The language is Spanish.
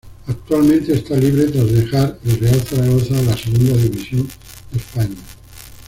Actualmente está libre tras dejar el Real Zaragoza de la Segunda División de España.